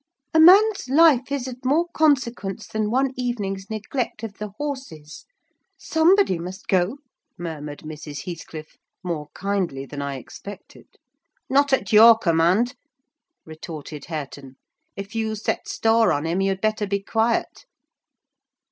"A man's life is of more consequence than one evening's neglect of the horses: somebody must go," murmured Mrs. Heathcliff, more kindly than I expected. "Not at your command!" retorted Hareton. "If you set store on him, you'd better be quiet."